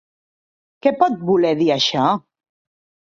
Què pot voler dir això?